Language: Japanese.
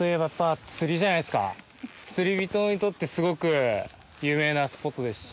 釣り人にとってすごく有名なスポットですし。